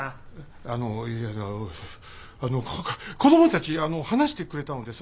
あのいやあのこ子供たちあの話してくれたのです。